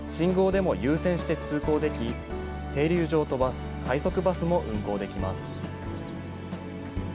信号でも優先して通行でき、停留所を飛ばす快速バスも運行できます。